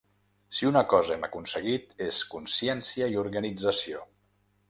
Si una cosa hem aconseguit és consciència i organització.